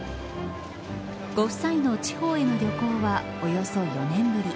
ご夫妻の地方への旅行はおよそ４年ぶり。